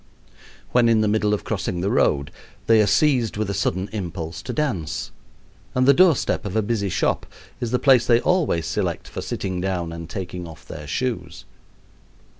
When in the middle of crossing the road they are seized with a sudden impulse to dance, and the doorstep of a busy shop is the place they always select for sitting down and taking off their shoes.